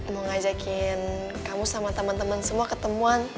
mau ngajakin kamu sama temen temen semua ketemuan